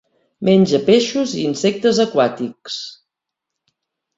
Menja peixos i insectes aquàtics.